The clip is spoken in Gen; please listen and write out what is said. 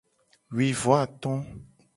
Wi vo ato.